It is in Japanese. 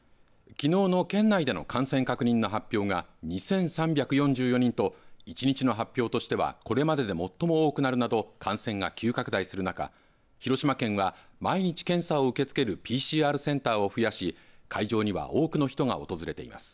きのうの県内での感染確認の発表が２３４４人と１日の発表としてはこれまでで最も多くなるなど感染が急拡大する中広島県は毎日検査を受け付けるＰＣＲセンターを増やし会場には多くの人が訪れています。